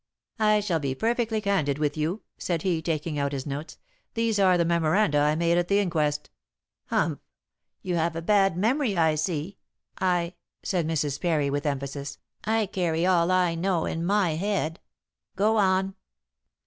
"I shall be perfectly candid with you," said he, taking out his notes. "These are the memoranda I made at the inquest." "Humph! You have a bad memory I see. I," said Mrs. Parry, with emphasis, "I carry all I know in my head. Go on."